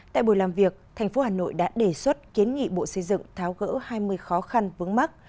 tại buổi làm việc thành phố hà nội đã đề xuất kiến nghị bộ xây dựng tháo gỡ hai mươi khó khăn vướng mắt